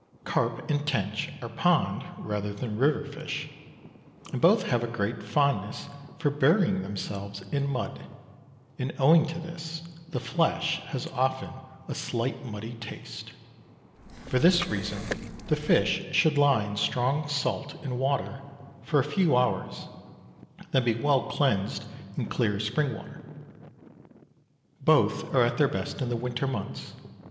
Carp and tench are pond rather than river fish, and both have a great fondness for burying themselves in mud, and owing to this the flesh has often a slight muddy taste; for this reason the fish should lie in strong salt and water for a few hours, then be well cleansed in clear spring water. Both are at their best in the winter months.